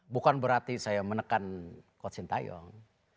bukan berarti saya menekan coach sinta young